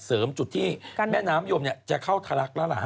เสริมจุดที่แม่น้ำโยมเนี่ยจะเข้าถลักแล้วล่ะฮะ